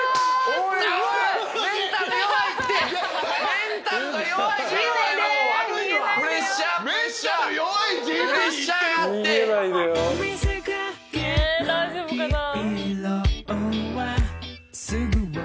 大丈夫かな？